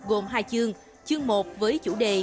gồm hai chương chương một với chủ đề